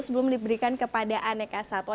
sebelum diberikan kepada aneka satwa